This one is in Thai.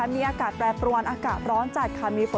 มีอากาศแปรปรวนอากาศร้อนจัดค่ะ